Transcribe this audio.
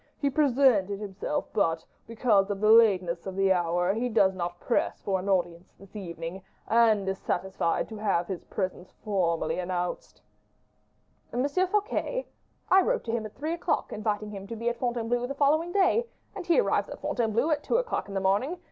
He presented himself, but, because of the lateness of the hour, he does not press for an audience this evening, and is satisfied to have his presence here formally announced." "M. Fouquet! I wrote to him at three o'clock, inviting him to be at Fontainebleau the following day, and he arrives at Fontainebleau at two o'clock in the morning!